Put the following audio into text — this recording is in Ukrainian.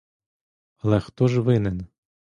Але хто ж винен?